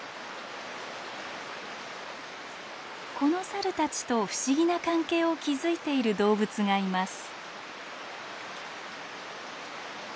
このサルたちと不思議な関係を築いている動物がいます。